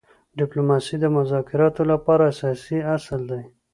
ډيپلوماسي د مذاکراتو لپاره اساسي اصل دی.